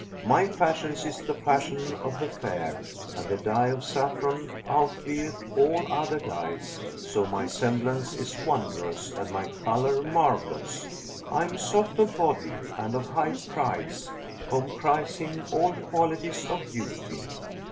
My fashion is the fashion of the fair, and the dye of saffron outvieth all other dyes; so my semblance is wondrous and my colour marvellous. I am soft of body and of high price, comprising all qualities of beauty.